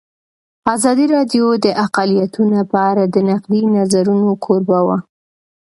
ازادي راډیو د اقلیتونه په اړه د نقدي نظرونو کوربه وه.